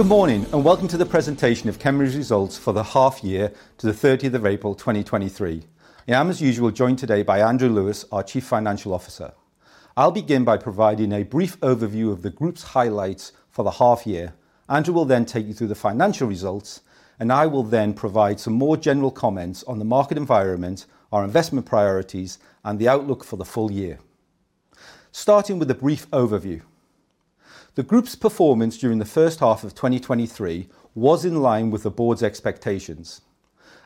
Welcome to the presentation of Chemring's results for the half year to the 30th of April, 2023. I am, as usual, joined today by Andrew Lewis, our Chief Financial Officer. I'll begin by providing a brief overview of the group's highlights for the half year. Andrew will then take you through the financial results, I will then provide some more general comments on the market environment, our investment priorities, and the outlook for the full-year. Starting with a brief overview. The group's performance during the first half of 2023 was in line with the board's expectations.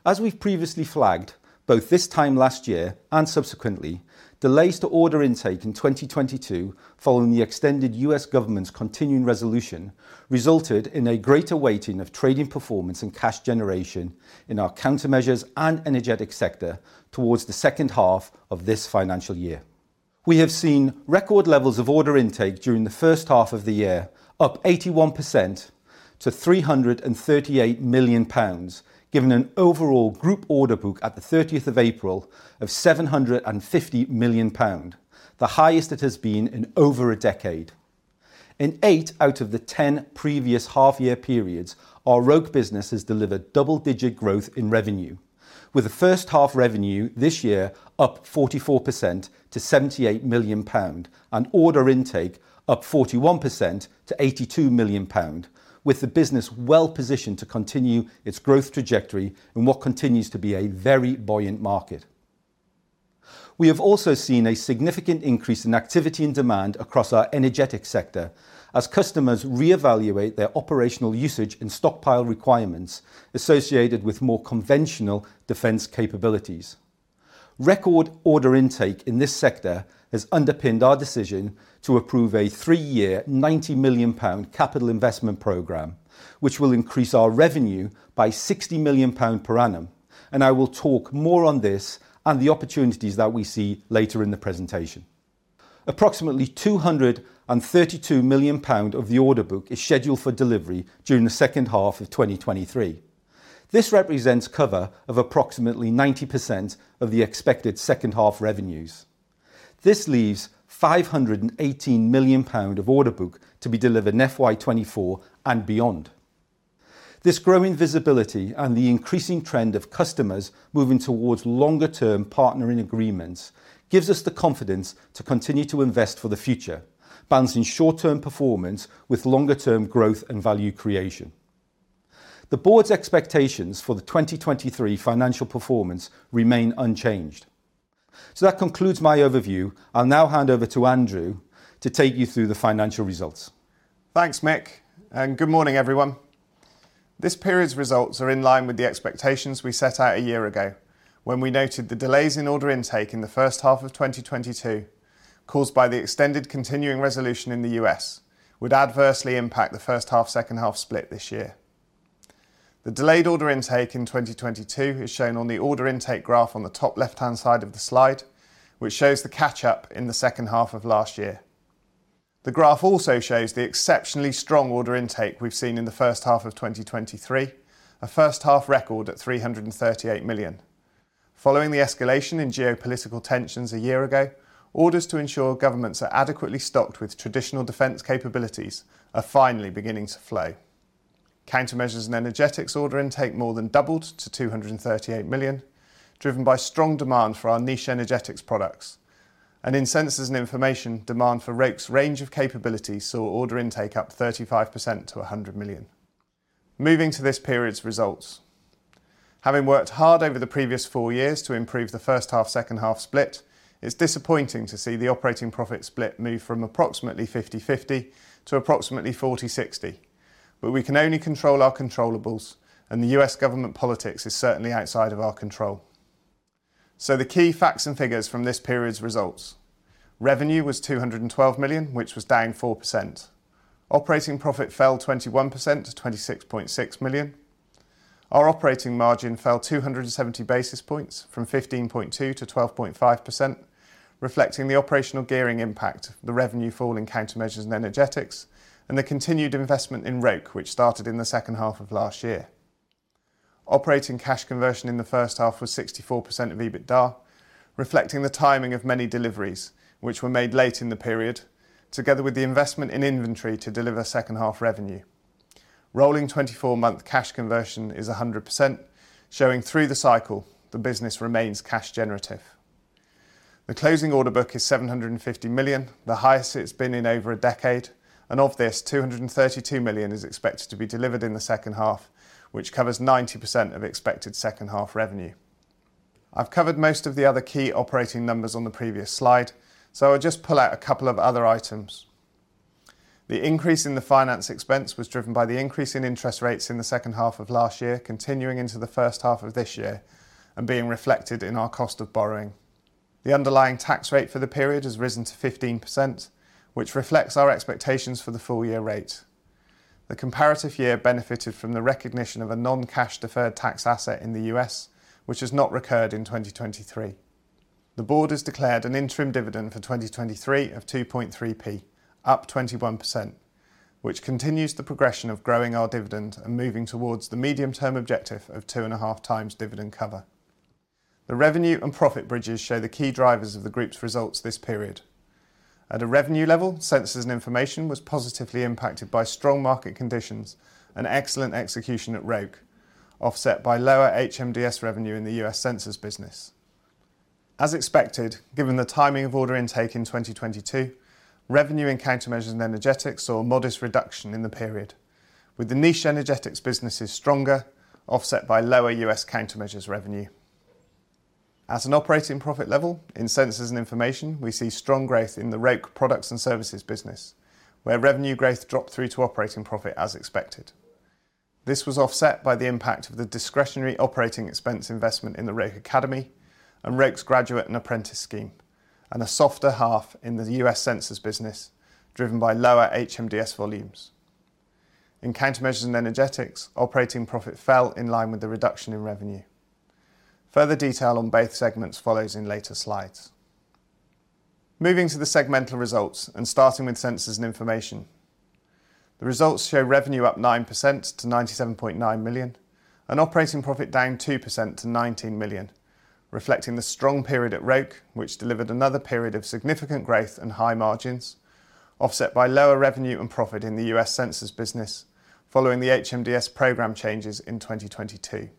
As we've previously flagged, both this time last year and subsequently, delays to order intake in 2022, following the extended US government's continuing resolution, resulted in a greater weighting of trading performance and cash generation in our Countermeasures & Energetics sector towards the second half of this financial year. We have seen record levels of order intake during the first half of the year, up 81% to 338 million pounds, giving an overall group order book at the 30th of April of 750 million pound, the highest it has been in over a decade. In eight out of the 10 previous half-year periods, our Roke business has delivered double-digit growth in revenue, with the first half revenue this year up 44% to 78 million pound and order intake up 41% to 82 million pound, with the business well positioned to continue its growth trajectory in what continues to be a very buoyant market. We have also seen a significant increase in activity and demand across our energetic sector as customers reevaluate their operational usage and stockpile requirements associated with more conventional defense capabilities. Record order intake in this sector has underpinned our decision to approve a three-year, 90 million pound capital investment program, which will increase our revenue by 60 million pound per annum, I will talk more on this and the opportunities that we see later in the presentation. Approximately 232 million pound of the order book is scheduled for delivery during the second half of 2023. This represents cover of approximately 90% of the expected second half revenues. This leaves 518 million pound of order book to be delivered in FY 2024 and beyond. This growing visibility and the increasing trend of customers moving towards longer-term partnering agreements gives us the confidence to continue to invest for the future, balancing short-term performance with longer-term growth and value creation. The board's expectations for the 2023 financial performance remain unchanged. That concludes my overview. I'll now hand over to Andrew to take you through the financial results. Thanks, Mick. Good morning, everyone. This period's results are in line with the expectations we set out a year ago, when we noted the delays in order intake in the first half of 2022, caused by the extended continuing resolution in the US, would adversely impact the first half, second half split this year. The delayed order intake in 2022 is shown on the order intake graph on the top left-hand side of the slide, which shows the catch-up in the second half of last year. The graph also shows the exceptionally strong order intake we've seen in the first half of 2023, a first-half record at 338 million. Following the escalation in geopolitical tensions a year ago, orders to ensure governments are adequately stocked with traditional defense capabilities are finally beginning to flow. Countermeasures & Energetics order intake more than doubled to 238 million, driven by strong demand for our niche energetics products. In Sensors & Information, demand for Roke's range of capabilities saw order intake up 35% to 100 million. Moving to this period's results. Having worked hard over the previous four years to improve the first half, second half split, it's disappointing to see the operating profit split move from approximately 50-50 to approximately 40-60, but we can only control our controllables, and the U.S. government politics is certainly outside of our control. The key facts and figures from this period's results: Revenue was 212 million, which was down 4%. Operating profit fell 21% to 26.6 million. Our operating margin fell 270 basis points from 15.2 to 12.5%, reflecting the operational gearing impact, the revenue fall in Countermeasures & Energetics, and the continued investment in Roke, which started in the second half of last year. Operating cash conversion in the first half was 64% of EBITDA, reflecting the timing of many deliveries, which were made late in the period, together with the investment in inventory to deliver second half revenue. Rolling 24-month cash conversion is 100%, showing through the cycle, the business remains cash generative. The closing order book is 750 million, the highest it's been in over a decade, and of this, 232 million is expected to be delivered in the second half, which covers 90% of expected second half revenue. I've covered most of the other key operating numbers on the previous slide. I'll just pull out a couple of other items. The increase in the finance expense was driven by the increase in interest rates in the second half of last year, continuing into the first half of this year and being reflected in our cost of borrowing. The underlying tax rate for the period has risen to 15%, which reflects our expectations for the full-year rate. The comparative year benefited from the recognition of a non-cash deferred tax asset in the U.S., which has not recurred in 2023. The board has declared an interim dividend for 2023 of 2.3p, up 21%, which continues the progression of growing our dividend and moving towards the medium-term objective of 2.5x dividend cover. The revenue and profit bridges show the key drivers of the group's results this period. At a revenue level, Sensors & Information was positively impacted by strong market conditions and excellent execution at Roke, offset by lower HMDS revenue in the US census business. As expected, given the timing of order intake in 2022, revenue and Countermeasures & Energetics saw a modest reduction in the period, with the niche energetics businesses stronger, offset by lower US countermeasures revenue. At an operating profit level, in Sensors & Information, we see strong growth in the Roke products and services business, where revenue growth dropped through to operating profit as expected. This was offset by the impact of the discretionary operating expense investment in the Roke Academy and Roke's graduate and apprentice scheme, and a softer half in the US census business, driven by lower HMDS volumes. In Countermeasures & Energetics, operating profit fell in line with the reduction in revenue. Further detail on both segments follows in later slides. Moving to the segmental results and starting with Sensors & Information, the results show revenue up 9% to 97.9 million, and operating profit down 2% to 19 million, reflecting the strong period at Roke, which delivered another period of significant growth and high margins, offset by lower revenue and profit in the US census business following the HMDS program changes in 2022.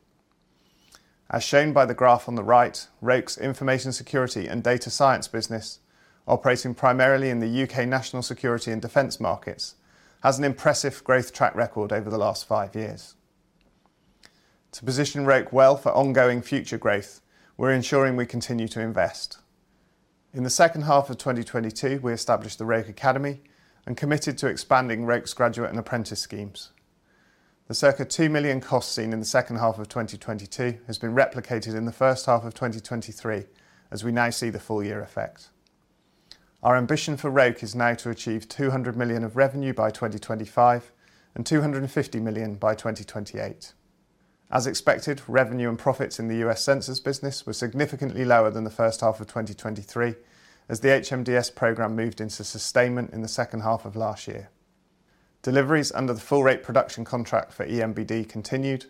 As shown by the graph on the right, Roke's information security and data science business, operating primarily in the UK national security and defense markets, has an impressive growth track record over the last five years. To position Roke well for ongoing future growth, we're ensuring we continue to invest. In the second half of 2022, we established the Roke Academy and committed to expanding Roke's graduate and apprentice schemes. The circa 2 million costs seen in the second half of 2022 has been replicated in the first half of 2023, as we now see the full-year effect. Our ambition for Roke is now to achieve 200 million of revenue by 2025 and 250 million by 2028. As expected, revenue and profits in the US census business were significantly lower than the first half of 2023, as the HMDS program moved into sustainment in the second half of last year. Deliveries under the full rate production contract for EMBD continued,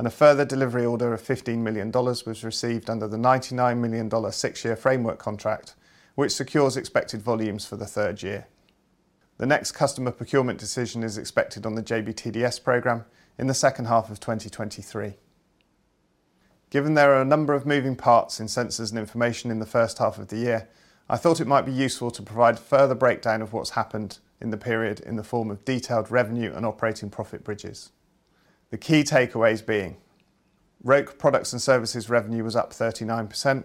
and a further delivery order of $15 million was received under the $99 million six-year framework contract, which secures expected volumes for the third year. The next customer procurement decision is expected on the JBTDS program in the second half of 2023. Given there are a number of moving parts in Sensors & Information in the first half of the year, I thought it might be useful to provide further breakdown of what's happened in the period in the form of detailed revenue and operating profit bridges. The key takeaways being Roke products and services revenue was up 39%.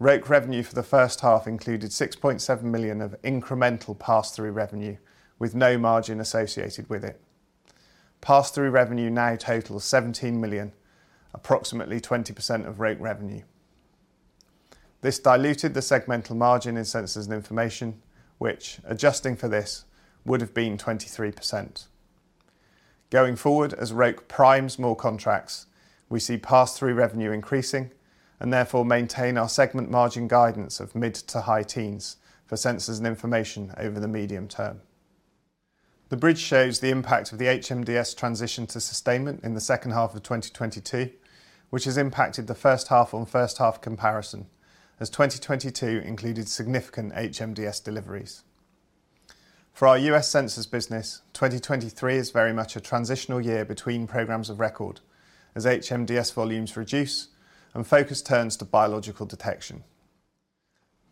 Roke revenue for the first half included 6.7 million of incremental pass-through revenue, with no margin associated with it. Pass-through revenue now totals 17 million, approximately 20% of Roke revenue. This diluted the segmental margin in Sensors & Information, which, adjusting for this, would have been 23%. Going forward, as Roke primes more contracts, we see pass-through revenue increasing and therefore maintain our segment margin guidance of mid to high teens for Sensors & Information over the medium term. The bridge shows the impact of the HMDS transition to sustainment in the second half of 2022, which has impacted the first half on first half comparison, as 2022 included significant HMDS deliveries. For our US census business, 2023 is very much a transitional year between programs of record as HMDS volumes reduce and focus turns to biological detection.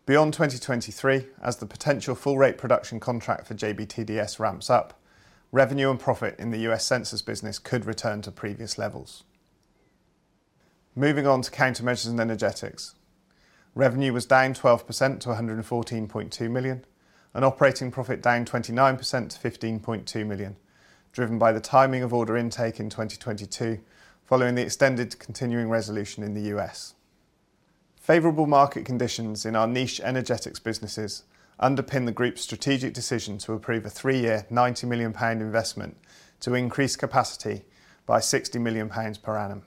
Beyond 2023, as the potential full rate production contract for JBTDS ramps up, revenue and profit in the US census business could return to previous levels. Moving on to Countermeasures & Energetics. Revenue was down 12% to 114.2 million. Operating profit down 29% to 15.2 million, driven by the timing of order intake in 2022, following the extended continuing resolution in the U.S. Favorable market conditions in our niche energetics businesses underpin the group's strategic decision to approve a three-year, 90 million pound investment to increase capacity by 60 million pounds per annum.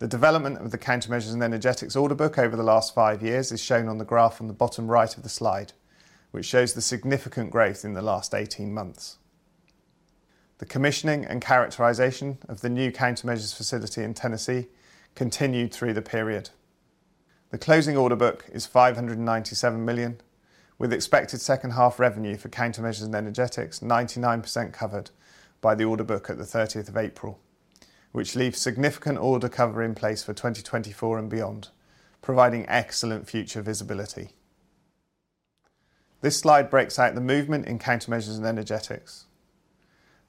The development of the countermeasures and energetics order book over the last five years is shown on the graph on the bottom right of the slide, which shows the significant growth in the last 18 months. The commissioning and characterization of the new countermeasures facility in Tennessee continued through the period. The closing order book is 597 million, with expected second half revenue for Countermeasures & Energetics 99% covered by the order book at the 30th of April, which leaves significant order cover in place for 2024 and beyond, providing excellent future visibility. This slide breaks out the movement in Countermeasures & Energetics.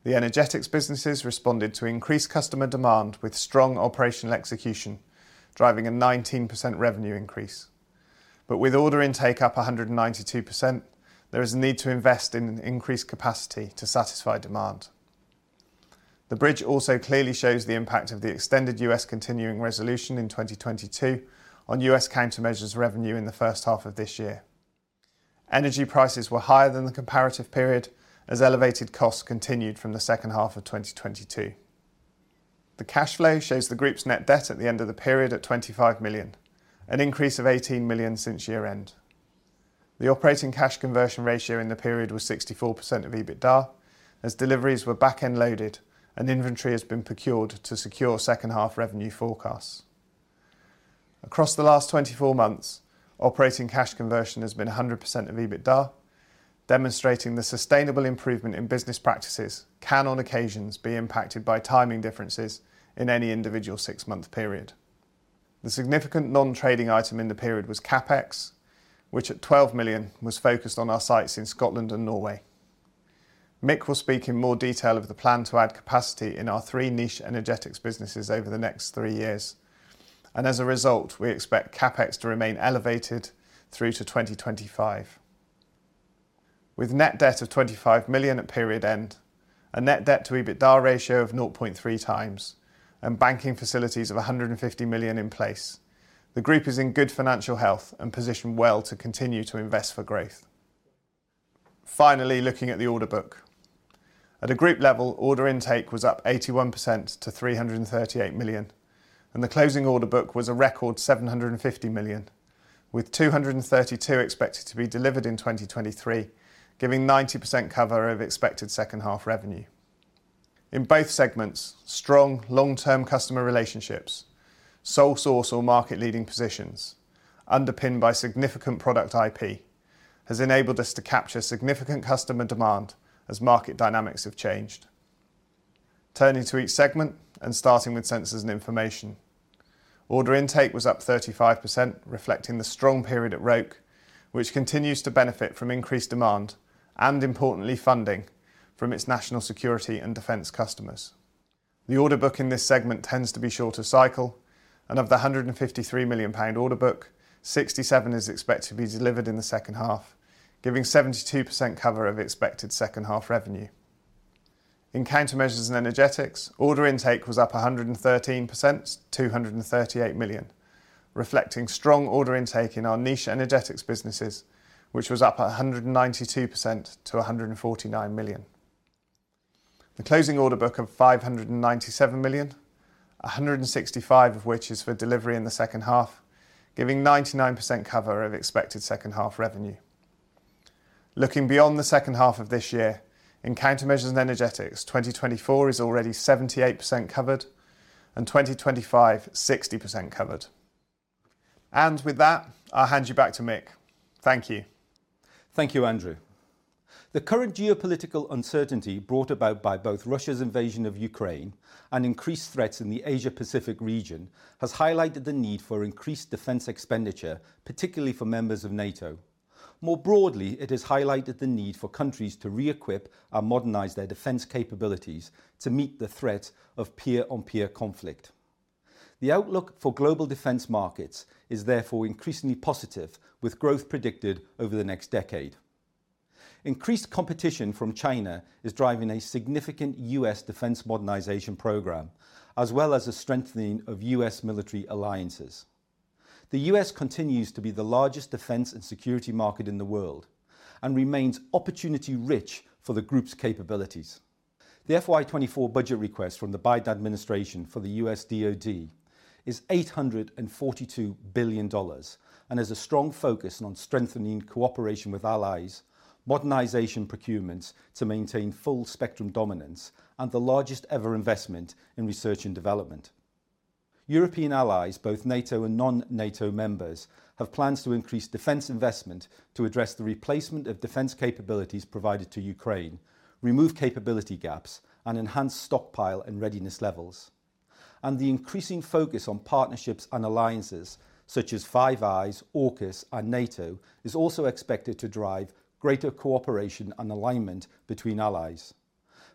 The energetics businesses responded to increased customer demand with strong operational execution, driving a 19% revenue increase. With order intake up 192%, there is a need to invest in increased capacity to satisfy demand. The bridge also clearly shows the impact of the extended U.S. continuing resolution in 2022 on U.S. countermeasures revenue in the first half of this year. Energy prices were higher than the comparative period as elevated costs continued from the second half of 2022. The cash flow shows the group's net debt at the end of the period at 25 million, an increase of 18 million since year-end. The operating cash conversion ratio in the period was 64% of EBITDA, as deliveries were back-end loaded and inventory has been procured to secure second half revenue forecasts. Across the last 24 months, operating cash conversion has been 100% of EBITDA, demonstrating the sustainable improvement in business practices can, on occasions, be impacted by timing differences in any individual 6-month period. The significant non-trading item in the period was CapEx, which at 12 million, was focused on our sites in Scotland and Norway. Mick will speak in more detail of the plan to add capacity in our three niche energetics businesses over the next three years. As a result, we expect CapEx to remain elevated through to 2025. With net debt of 25 million at period end, a net debt to EBITDA ratio of 0.3x, and banking facilities of 150 million in place, the group is in good financial health and positioned well to continue to invest for growth. Looking at the order book. At a group level, order intake was up 81% to 338 million, and the closing order book was a record 750 million, with 232 expected to be delivered in 2023, giving 90% cover of expected second half revenue. In both segments, strong long-term customer relationships, sole source or market-leading positions, underpinned by significant product IP, has enabled us to capture significant customer demand as market dynamics have changed. Turning to each segment, starting with Sensors & Information. Order intake was up 35%, reflecting the strong period at Roke, which continues to benefit from increased demand and, importantly, funding from its national security and defense customers. The order book in this segment tends to be shorter cycle, of the 153 million pound order book, 67 million is expected to be delivered in the second half, giving 72% cover of expected second half revenue. In Countermeasures & Energetics, order intake was up 113% to 238 million, reflecting strong order intake in our niche energetics businesses, which was up 192% to 149 million. The closing order book of 597 million, 165 million of which is for delivery in the second half, giving 99% cover of expected second half revenue. Looking beyond the second half of this year, in Countermeasures & Energetics, 2024 is already 78% covered, 2025, 60% covered. With that, I'll hand you back to Mick. Thank you. Thank you, Andrew. The current geopolitical uncertainty brought about by both Russia's invasion of Ukraine and increased threats in the Asia Pacific region, has highlighted the need for increased defense expenditure, particularly for members of NATO. It has highlighted the need for countries to re-equip and modernize their defense capabilities to meet the threat of peer-on-peer conflict. The outlook for global defense markets is therefore increasingly positive, with growth predicted over the next decade. Increased competition from China is driving a significant U.S. defense modernization program, as well as a strengthening of U.S. military alliances. The U.S. continues to be the largest defense and security market in the world and remains opportunity rich for the group's capabilities. The FY 2024 budget request from the Biden administration for the US DoD is $842 billion and has a strong focus on strengthening cooperation with allies, modernization procurements to maintain full spectrum dominance, and the largest ever investment in research and development. European allies, both NATO and non-NATO members, have plans to increase defense investment to address the replacement of defense capabilities provided to Ukraine, remove capability gaps, and enhance stockpile and readiness levels. The increasing focus on partnerships and alliances such as Five Eyes, AUKUS, and NATO, is also expected to drive greater cooperation and alignment between allies.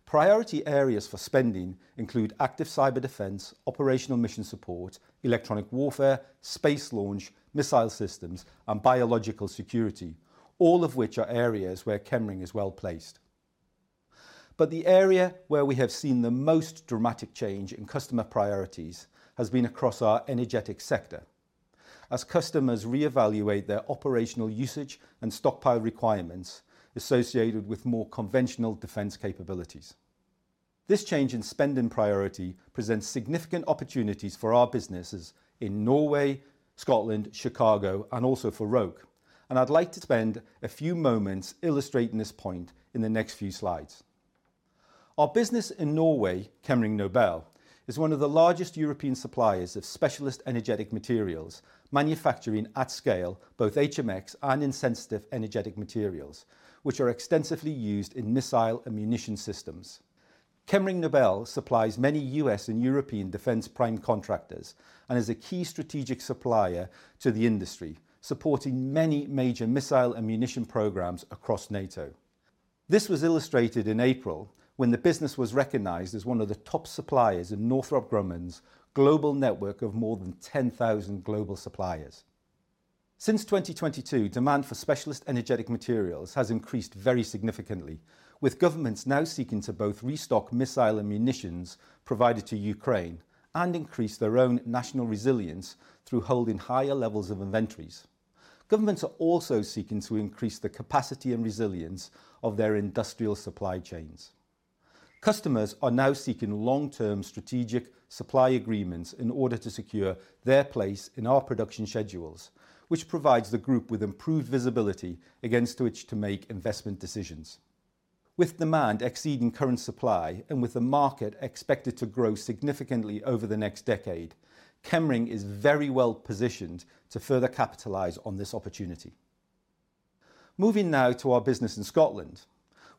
Priority areas for spending include active cyber defense, operational mission support, electronic warfare, space launch, missile systems, and biological security, all of which are areas where Chemring is well-placed. The area where we have seen the most dramatic change in customer priorities has been across our energetic sector, as customers reevaluate their operational usage and stockpile requirements associated with more conventional defense capabilities. This change in spending priority presents significant opportunities for our businesses in Norway, Scotland, Chicago, and also for Roke, and I'd like to spend a few moments illustrating this point in the next few slides. Our business in Norway, Chemring Nobel, is one of the largest European suppliers of specialist energetic materials, manufacturing at scale, both HMX and insensitive energetic materials, which are extensively used in missile and munition systems. Chemring Nobel supplies many U.S. and European defense prime contractors and is a key strategic supplier to the industry, supporting many major missile and munition programs across NATO. This was illustrated in April when the business was recognized as one of the top suppliers in Northrop Grumman's global network of more than 10,000 global suppliers. Since 2022, demand for specialist energetic materials has increased very significantly, with governments now seeking to both restock missile and munitions provided to Ukraine and increase their own national resilience through holding higher levels of inventories. Governments are also seeking to increase the capacity and resilience of their industrial supply chains. Customers are now seeking long-term strategic supply agreements in order to secure their place in our production schedules, which provides the group with improved visibility against which to make investment decisions. With demand exceeding current supply, and with the market expected to grow significantly over the next decade, Chemring is very well positioned to further capitalize on this opportunity. Moving now to our business in Scotland,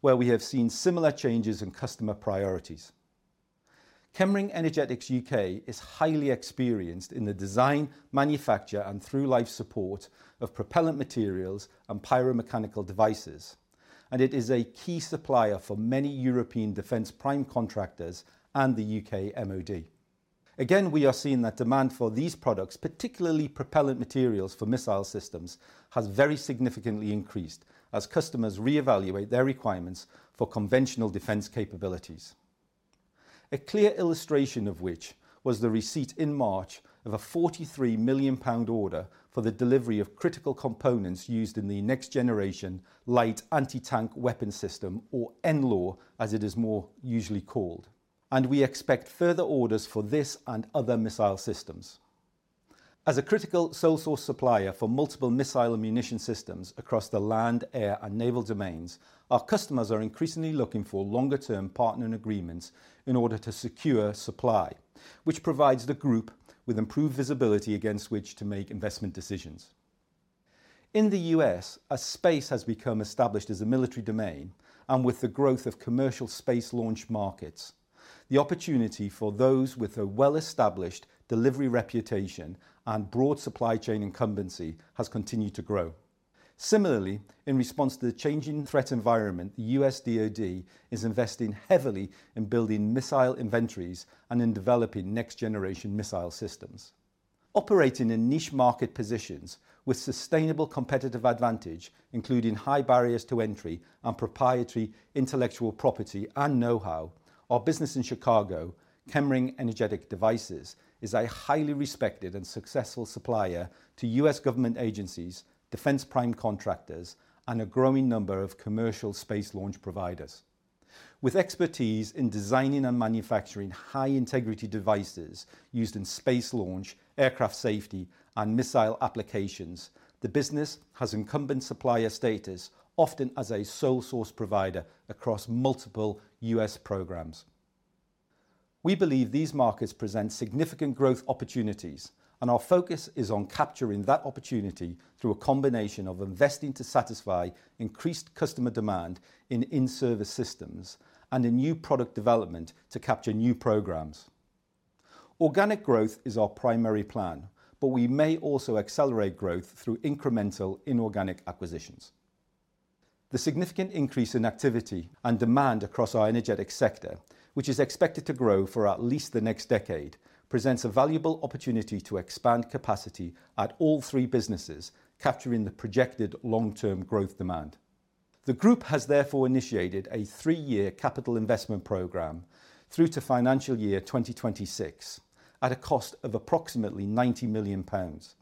where we have seen similar changes in customer priorities. Chemring Energetics UK is highly experienced in the design, manufacture, and through-life support of propellant materials and pyromechanical devices, and it is a key supplier for many European defense prime contractors and the UK MOD. Again, we are seeing that demand for these products, particularly propellant materials for missile systems, has very significantly increased as customers reevaluate their requirements for conventional defense capabilities. A clear illustration of which was the receipt in March of a 43 million pound order for the delivery of critical components used in the Next Generation Light Anti-Tank Weapon system, or NLAW, as it is more usually called, and we expect further orders for this and other missile systems. As a critical sole source supplier for multiple missile ammunition systems across the land, air, and naval domains, our customers are increasingly looking for longer-term partnering agreements in order to secure supply, which provides the group with improved visibility against which to make investment decisions. In the U.S., as space has become established as a military domain and with the growth of commercial space launch markets, the opportunity for those with a well-established delivery reputation and broad supply chain incumbency has continued to grow. Similarly, in response to the changing threat environment, the US DoD is investing heavily in building missile inventories and in developing next-generation missile systems. Operating in niche market positions with sustainable competitive advantage, including high barriers to entry and proprietary intellectual property and know-how, our business in Chicago, Chemring Energetic Devices, is a highly respected and successful supplier to U.S. government agencies, defense prime contractors, and a growing number of commercial space launch providers. With expertise in designing and manufacturing high-integrity devices used in space launch, aircraft safety, and missile applications, the business has incumbent supplier status, often as a sole source provider across multiple U.S. programs. We believe these markets present significant growth opportunities, and our focus is on capturing that opportunity through a combination of investing to satisfy increased customer demand in in-service systems and in new product development to capture new programs. Organic growth is our primary plan, but we may also accelerate growth through incremental inorganic acquisitions. The significant increase in activity and demand across our energetic sector, which is expected to grow for at least the next decade, presents a valuable opportunity to expand capacity at all three businesses, capturing the projected long-term growth demand. The group has therefore initiated a three-year capital investment program through to financial year 2026, at a cost of approximately 90 million pounds.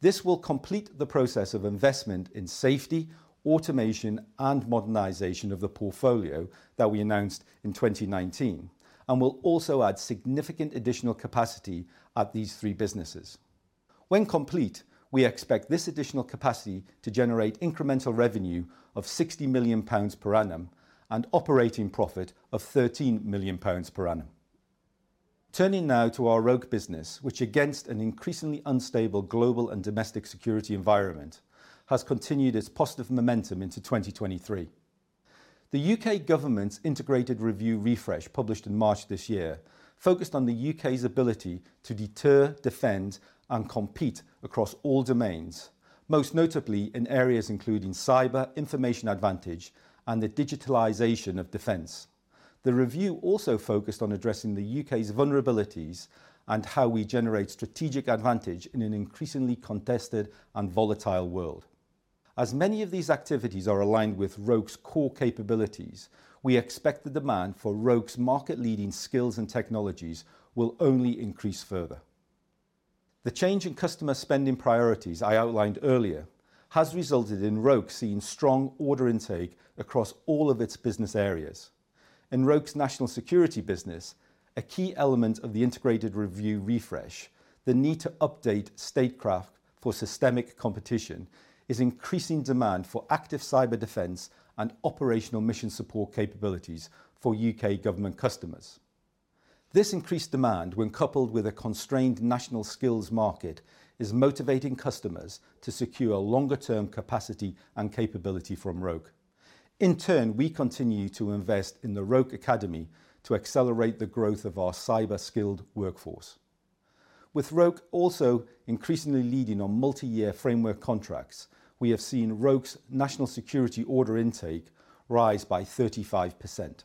This will complete the process of investment in safety, automation, and modernization of the portfolio that we announced in 2019 and will also add significant additional capacity at these three businesses. When complete, we expect this additional capacity to generate incremental revenue of 60 million pounds per annum and operating profit of 13 million pounds per annum. Turning now to our Roke business, which against an increasingly unstable global and domestic security environment, has continued its positive momentum into 2023. The UK government's Integrated Review Refresh, published in March this year, focused on the UK's ability to deter, defend, and compete across all domains, most notably in areas including cyber, information advantage, and the digitalization of defense. The review also focused on addressing the UK's vulnerabilities and how we generate strategic advantage in an increasingly contested and volatile world. As many of these activities are aligned with Roke's core capabilities, we expect the demand for Roke's market-leading skills and technologies will only increase further. The change in customer spending priorities I outlined earlier has resulted in Roke seeing strong order intake across all of its business areas. In Roke's national security business, a key element of the Integrated Review Refresh, the need to update statecraft for systemic competition, is increasing demand for active cyber defense and operational mission support capabilities for UK government customers. This increased demand, when coupled with a constrained national skills market, is motivating customers to secure longer-term capacity and capability from Roke. In turn, we continue to invest in the Roke Academy to accelerate the growth of our cyber-skilled workforce. With Roke also increasingly leading on multi-year framework contracts, we have seen Roke's national security order intake rise by 35%.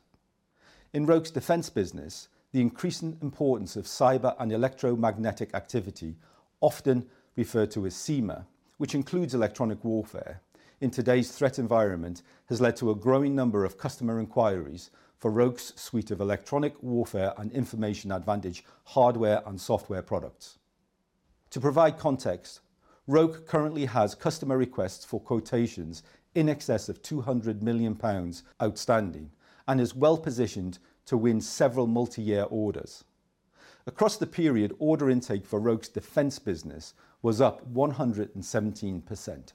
In Roke's defense business, the increasing importance of cyber and electromagnetic activity, often referred to as CEMA, which includes electronic warfare, in today's threat environment, has led to a growing number of customer inquiries for Roke's suite of electronic warfare and information advantage, hardware and software products.... To provide context, Roke currently has customer requests for quotations in excess of 200 million pounds outstanding, and is well-positioned to win several multi-year orders. Across the period, order intake for Roke's defense business was up 117%.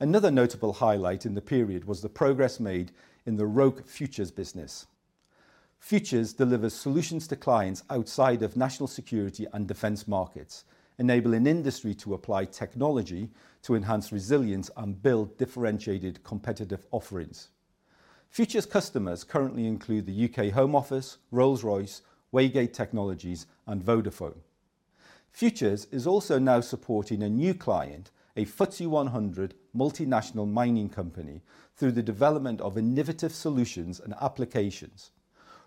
Another notable highlight in the period was the progress made in the Roke Futures business. Futures delivers solutions to clients outside of national security and defense markets, enabling industry to apply technology to enhance resilience and build differentiated competitive offerings. Futures customers currently include the UK Home Office, Rolls-Royce, Weygate Technologies, and Vodafone. Futures is also now supporting a new client, a FTSE 100 multinational mining company, through the development of innovative solutions and applications.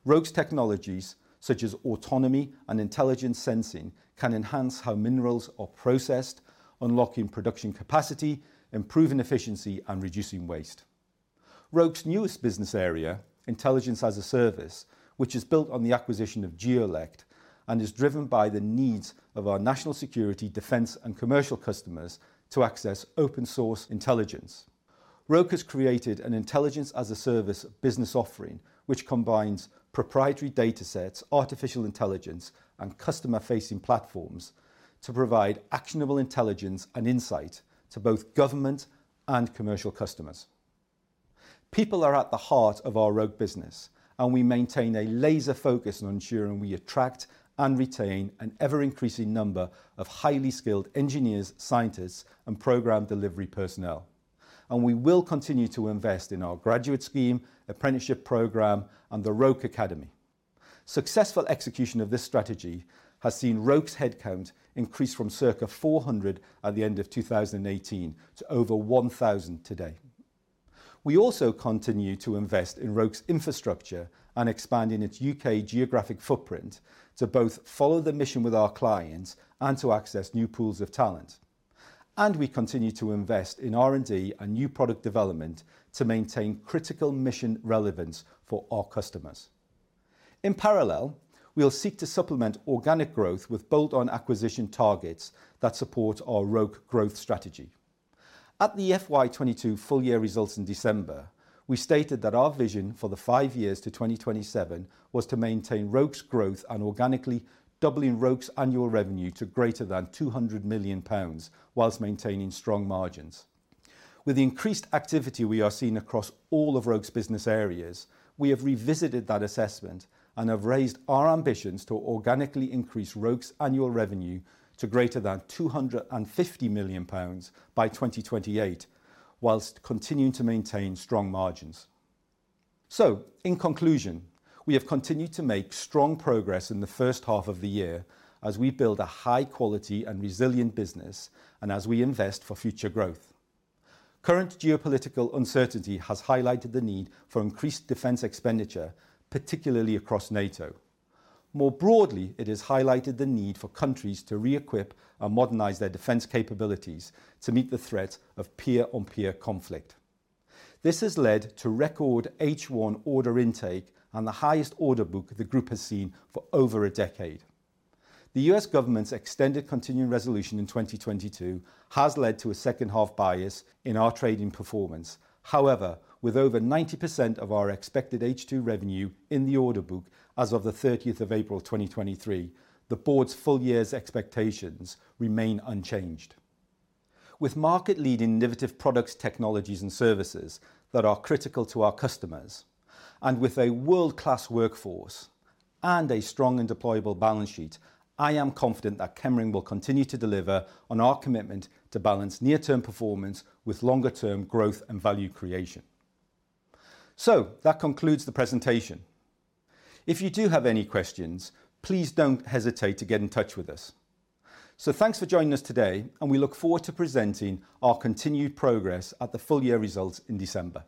Roke's technologies, such as autonomy and intelligence sensing, can enhance how minerals are processed, unlocking production capacity, improving efficiency, and reducing waste. Roke's newest business area, Intelligence as a Service, which is built on the acquisition of Geollect and is driven by the needs of our national security, defense, and commercial customers to access open source intelligence. Roke has created an Intelligence as a Service business offering, which combines proprietary data sets, artificial intelligence, and customer-facing platforms to provide actionable intelligence and insight to both government and commercial customers. People are at the heart of our Roke business, we maintain a laser focus on ensuring we attract and retain an ever-increasing number of highly skilled engineers, scientists, and program delivery personnel, and we will continue to invest in our graduate scheme, apprenticeship program, and the Roke Academy. Successful execution of this strategy has seen Roke's headcount increase from circa 400 at the end of 2018 to over 1,000 today. We also continue to invest in Roke's infrastructure and expanding its UK geographic footprint to both follow the mission with our clients and to access new pools of talent, we continue to invest in R&D and new product development to maintain critical mission relevance for our customers. In parallel, we will seek to supplement organic growth with bolt-on acquisition targets that support our Roke growth strategy. At the FY 2022 full-year results in December, we stated that our vision for the five years to 2027 was to maintain Roke's growth and organically doubling Roke's annual revenue to greater than 200 million pounds, while maintaining strong margins. With the increased activity we are seeing across all of Roke's business areas, we have revisited that assessment and have raised our ambitions to organically increase Roke's annual revenue to greater than 250 million pounds by 2028, whilst continuing to maintain strong margins. In conclusion, we have continued to make strong progress in the first half of the year as we build a high quality and resilient business, and as we invest for future growth. Current geopolitical uncertainty has highlighted the need for increased defense expenditure, particularly across NATO. More broadly, it has highlighted the need for countries to re-equip and modernize their defense capabilities to meet the threat of peer-on-peer conflict. This has led to record H1 order intake and the highest order book the group has seen for over a decade. The U.S. government's extended continuing resolution in 2022 has led to a second half bias in our trading performance. With over 90% of our expected H2 revenue in the order book as of the 30th of April, 2023, the board's full-year's expectations remain unchanged. With market-leading innovative products, technologies, and services that are critical to our customers, and with a world-class workforce and a strong and deployable balance sheet, I am confident that Chemring will continue to deliver on our commitment to balance near-term performance with longer term growth and value creation. That concludes the presentation. If you do have any questions, please don't hesitate to get in touch with us. Thanks for joining us today, and we look forward to presenting our continued progress at the full-year results in December.